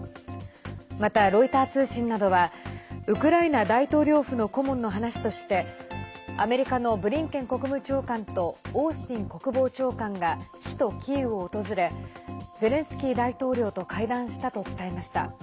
また、ロイター通信などはウクライナ大統領府の顧問の話としてアメリカのブリンケン国務長官とオースティン国防長官が首都キーウを訪れゼレンスキー大統領と会談したと伝えました。